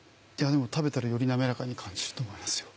でも食べたらより滑らかに感じると思いますよ。